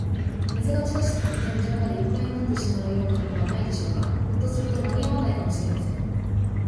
水が地下室の天井までいっぱいになってしまうようなことはないでしょうか。ひょっとすると、まにあわないかもしれません。